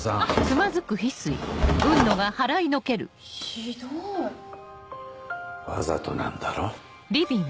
ひどい。わざとなんだろ？